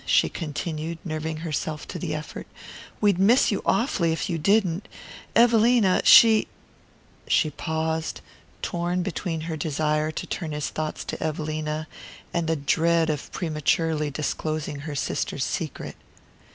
she continued, nerving herself to the effort. "We'd miss you awfully if you didn't. Evelina, she " She paused, torn between her desire to turn his thoughts to Evelina, and the dread of prematurely disclosing her sister's secret.